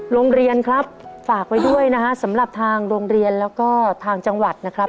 โรงเรียนครับฝากไว้ด้วยนะฮะสำหรับทางโรงเรียนแล้วก็ทางจังหวัดนะครับ